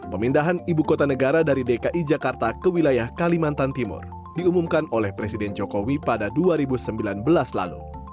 pemindahan ibu kota negara dari dki jakarta ke wilayah kalimantan timur diumumkan oleh presiden jokowi pada dua ribu sembilan belas lalu